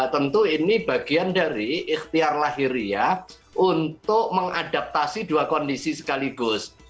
tentu ini bagian dari ikhtiar lahiriyah untuk mengadaptasi dua kondisi sekaligus